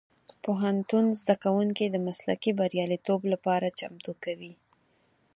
پوهنتون زدهکوونکي د مسلکي بریالیتوب لپاره چمتو کوي.